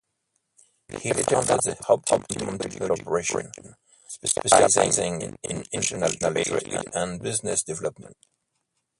He later founded the Optimum Technology Corporation, specializing in international trade and business development.